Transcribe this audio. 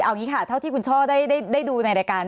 เอาอย่างนี้ค่ะเท่าที่คุณช่อได้ดูในรายการ